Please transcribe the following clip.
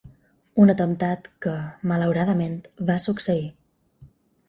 Un atemptat que, malauradament, va succeir.